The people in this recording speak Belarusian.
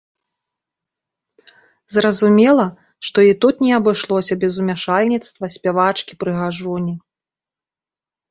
Зразумела, што і тут не абышлося без умяшальніцтва спявачкі-прыгажуні.